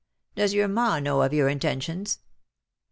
Does your ma know of your intentions?"